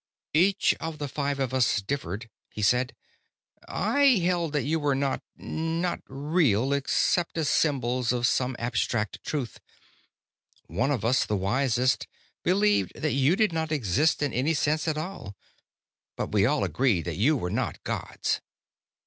"Each of the five of us differed," he said. "I held that you were not not real except as symbols of some abstract truth. One of us, the wisest, believed that you did not exist in any sense at all. But we all agreed that you were not gods."